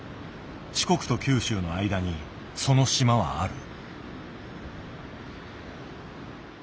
四国と九州の間にその島はある。